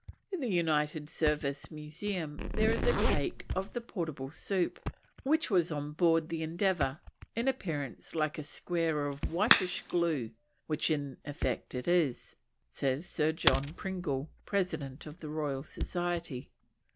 In the United Service Museum there is a cake of the portable soup which was on board the Endeavour, in appearance like a square of "whitish glue, which in effect it is," says Sir John Pringle, President of the Royal Society.